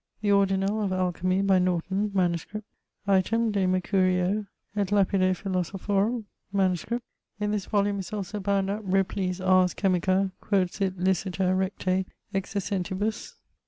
The Ordinall of Alchymy, by Norton, MS. Item, de Mercurio et lapide philosophorum, MS. In this volumne is also bound up Ripley's Ars chymica quod sit licita recte exercentibus.